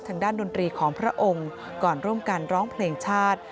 ดนตรีของพระองค์ก่อนร่วมกันร้องเพลงชาติ